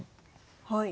はい。